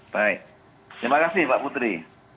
baik terima kasih pak putri